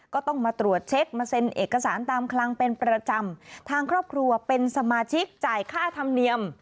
ก็ต้องมาตรวจเช็คมาเซ็นเอกสารตามคลังเป็นประจำทางครอบครัวเป็นสมาชิกจ่ายค่าธรรมเนียม